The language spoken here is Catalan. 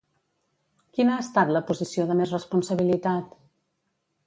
Quina ha estat la posició de més responsabilitat?